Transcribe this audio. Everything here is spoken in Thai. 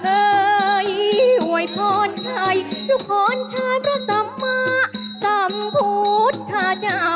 ห่วยพรชัยต์ลูกพรชชายพระสัมมาสัมภุตทาเจ้า